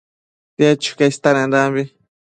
tied chuca istenendambi